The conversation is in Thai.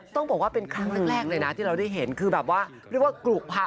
ต้องบอกว่าเป็นครั้งแรกเลยนะที่เราได้เห็นคือแบบว่าเรียกว่ากรุพัน